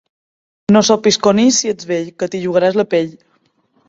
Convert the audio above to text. No sopis conill si ets vell, que t'hi jugaràs la pell.